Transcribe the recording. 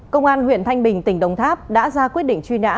công an huyện thanh bình tỉnh đồng tháp đã ra quyết định truy nã